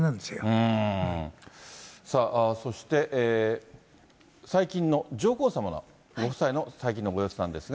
さあ、そして最近の上皇さまの、ご夫妻の最近のご様子なんですが。